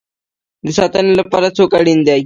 د ساتنې لپاره څوک اړین دی؟